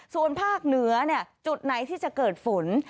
ส่วนภาคเหนือจุดไหนที่จะเกิดฝน